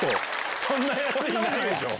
そんなことないでしょ。